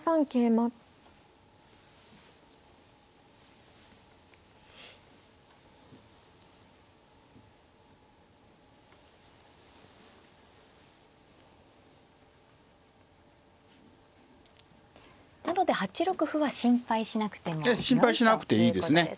なので８六歩は心配しなくてもよいということですね。